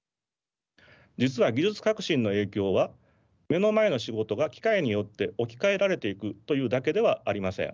実は技術革新の影響は目の前の仕事が機械によって置き換えられていくというだけではありません。